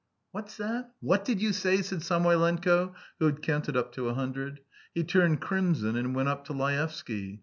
"What's that ... what did you say?" said Samoylenko, who had counted up to a hundred. He turned crimson and went up to Laevsky.